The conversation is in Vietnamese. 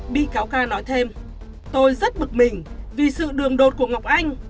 bị cáo ca nói thêm tôi rất bực mình vì sự đường đột của ngọc anh